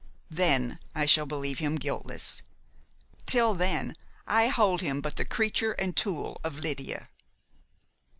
Then I shall believe him guiltless; till then, I hold him but the creature and tool of Lydia."